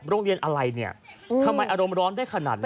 โรงเรียนอะไรเนี่ยทำไมอารมณ์ร้อนได้ขนาดนั้น